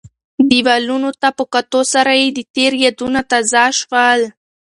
دیوالونو ته په کتو سره یې د تېر یادونه تازه شول.